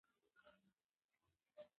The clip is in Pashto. دوی د ټولنیز بدلون په اړه بحث کړی دی.